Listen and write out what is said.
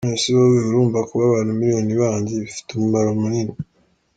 None se wowe urumva kuba abantu miliyoni banzi, bifite umumaro munini.